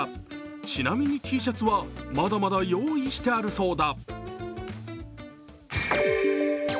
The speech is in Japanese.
ちなみにＴシャツはまだまだ用意してあるそうだ。